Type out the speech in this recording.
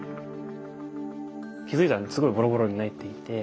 気付いたらすごいボロボロに泣いていて。